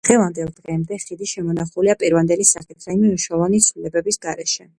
დღევანდელ დღემდე ხიდი შემონახულია პირვანდელი სახით, რაიმე მნიშვნელოვანი ცვლილების გარეშე.